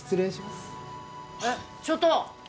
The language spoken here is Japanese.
えっちょっと！